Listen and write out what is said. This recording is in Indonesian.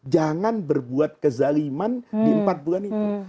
jangan berbuat kezaliman di empat bulan itu